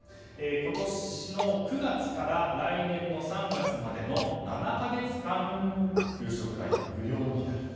今年の９月から来年の３月までの７か月間給食代が無料になると。